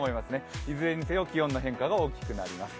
いずれにせよ、気温の変化が大きくなります。